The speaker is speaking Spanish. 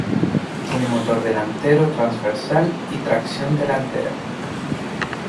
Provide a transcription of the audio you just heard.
Tiene motor delantero transversal y tracción delantera.